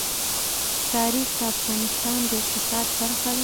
تاریخ د افغانستان د اقتصاد برخه ده.